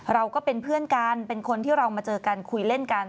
เราก็เป็นเพื่อนกันเป็นคนที่เรามาเจอกันคุยเล่นกัน